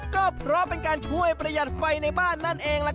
ก็เพราะเป็นการช่วยประหยัดไฟในบ้านนั่นเองล่ะครับ